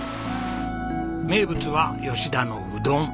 名物は吉田のうどん。